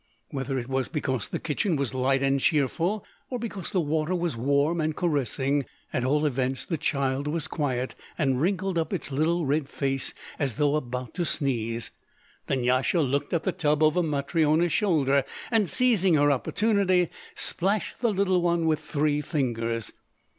Whether it was because the kitchen was light and cheerful, or because the water was warm and caressing, at all events the child was quiet, and wrinkled up its little red face as though about to sneeze. Dunyasha looked at the tub over Matryona's shoulder, and seizing her opportunity, splashed the little one with three fingers.